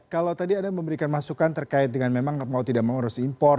kalau tadi anda memberikan masukan terkait dengan memang mau tidak mengurus impor